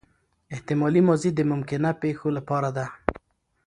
احتمالي ماضي د ممکنه پېښو له پاره ده.